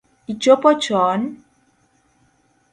Ichopo choon?